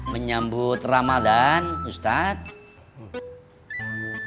menyambut ramadhan ustadz